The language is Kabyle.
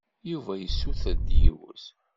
Yuba yessuter-d yiwet.